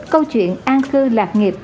câu chuyện an cư lạc nghiệp